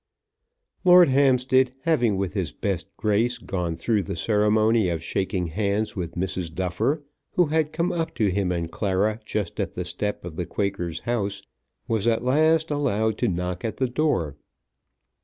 Lord Hampstead, having with his best grace gone through the ceremony of shaking hands with Mrs. Duffer, who had come up to him and Clara just at the step of the Quaker's house, was at last allowed to knock at the door.